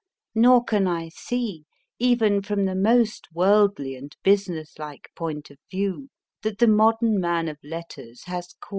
( Xor can I see, even from the most worldly and business like point of view, that the modern man of letters has cause MR.